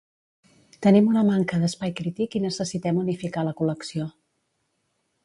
Tenim una manca d'espai crític i necessitem unificar la col·lecció